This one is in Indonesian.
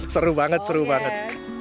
seru banget seru banget